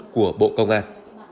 của bộ công an